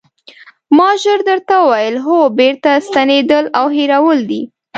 ما ژر درته وویل: هو بېرته ستنېدل او هېرول دي.